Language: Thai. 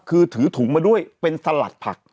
คือถือถุงมาด้วยเป็นสลัดผัก